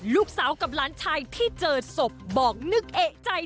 ลูกสาวกับหลานชายที่เจอศพบอกนึกเอกใจ